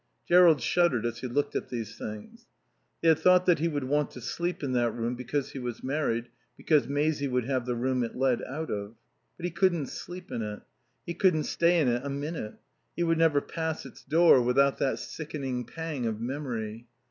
Jerrold shuddered as he looked at these things. They had thought that he would want to sleep in that room because he was married, because Maisie would have the room it led out of. But he couldn't sleep in it. He couldn't stay in it a minute; he would never pass its door without that sickening pang of memory.